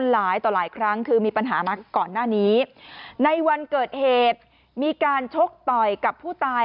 หลายต่อหลายครั้งคือมีปัญหามาก่อนหน้านี้ในวันเกิดเหตุมีการชกต่อยกับผู้ตาย